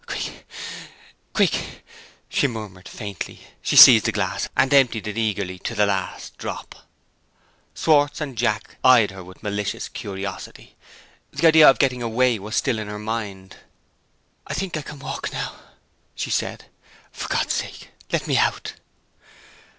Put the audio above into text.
"Quick! quick!" she murmured faintly. She seized the glass, and emptied it eagerly to the last drop. Schwartz and Jack eyed her with malicious curiosity. The idea of getting away was still in her mind. "I think I can walk now," she said. "For God's sake, let me out!"